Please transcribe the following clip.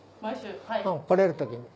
来れる時に。